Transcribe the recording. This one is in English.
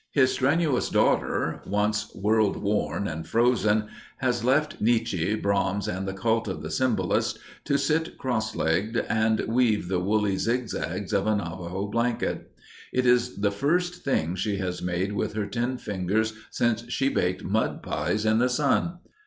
His strenuous daughter, once world worn and frozen, has left Nietsche, Brahms, and the cult of the symbolists, to sit cross legged and weave the woolly zigzags of a Navajo blanket. It is the first thing she has made with her ten fingers since she baked mud pies in the sun!